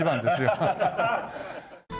アハハハ。